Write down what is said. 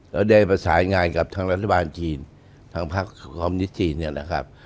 แล้วได้ประสานงานกับทางรัฐบาลจีนทางภาคคอมที่จีนเนี่ยนะครับ